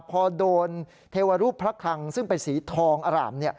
พอโดนเทวรูปพระคลังซึ่งเป็นสีทองอร่าม